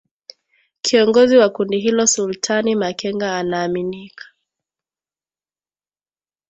Kiongozi wa kundi hilo Sultani Makenga anaaminika